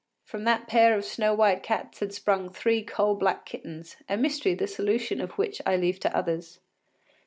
From that pair of snow white cats had sprung three coal black kittens, a mystery the solution of which I leave to others.